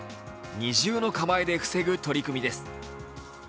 二重の構えで防ぐ取り組みです。